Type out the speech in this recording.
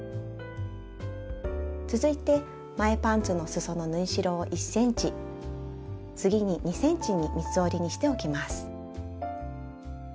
続いて前パンツのすその縫い代を１ｃｍ次に２ｃｍに三つ折りにしておきます。